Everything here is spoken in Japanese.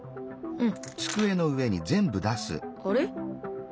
うん。